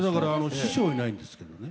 師匠いないんですけどね。